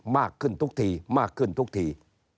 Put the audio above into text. มากขึ้นทุกทีมากขึ้นทุกที